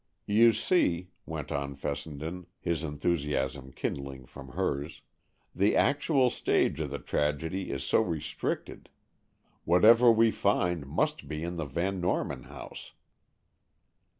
"You see," went on Fessenden, his enthusiasm kindling from hers, "the actual stage of the tragedy is so restricted. Whatever we find must be in the Van Norman house."